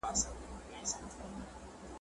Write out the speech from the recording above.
ږغ اوچت کړی دی ,